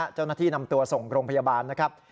เจ้าหน้าที่นำตัวส่งโรงพยาบาลนะครับ